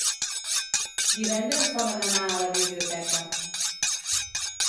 Divendres volen anar a la biblioteca.